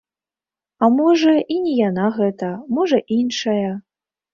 А можа і не яна гэта, можа іншая.